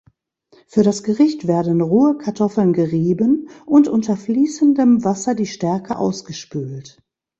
Für das Gericht werden rohe Kartoffeln gerieben und unter fließendem Wasser die Stärke ausgespült.